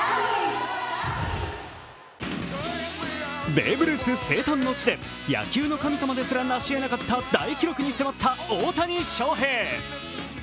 ベーブ・ルース生誕の地で野球の神様ですらなしえなかった大記録に迫った大谷翔平。